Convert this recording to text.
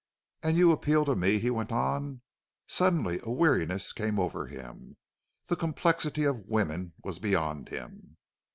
"And you appeal to me!" he went on. Suddenly a weariness came over him. The complexity of women was beyond him.